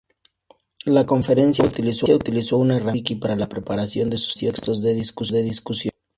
La Conferencia utilizó una herramienta wiki para la preparación de sus textos de discusión.